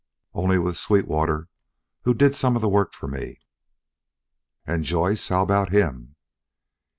"Only with Sweetwater, who did some of the work for me." "And Joyce? How about him?"